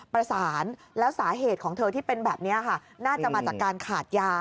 ประสานแล้วสาเหตุของเธอที่เป็นแบบนี้ค่ะน่าจะมาจากการขาดยา